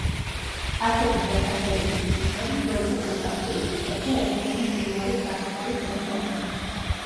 ასეთი დასახელების მყინვარი ძველ ტოპოგრაფიულ რუკებზე ერთიანი მყინვარის სახით არის მოცემული.